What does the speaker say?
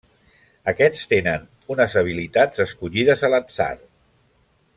Aquests tenen unes habilitats escollides a l'atzar.